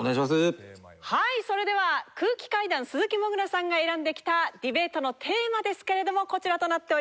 はいそれでは空気階段鈴木もぐらさんが選んできたディベートのテーマですけれどもこちらとなっております。